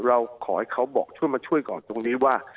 เราขอให้เขาบอกช่วยมาช่วยก่อนตรงนี้ว่า